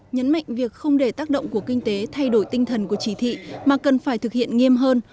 nhấn mạnh việc không để tác động của kinh tế thay đổi tinh thần của chỉ thị mà cần phải thực hiện nghiêm hơn